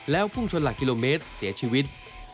พุ่งชนหลักกิโลเมตรเสียชีวิต